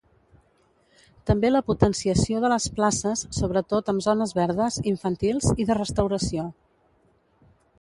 També la potenciació de les places, sobretot, amb zones verdes, infantils i de restauració.